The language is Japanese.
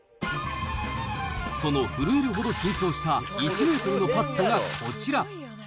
その震えるほど緊張した１メートルのパットがこちら。